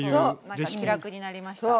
なんか気楽になりました。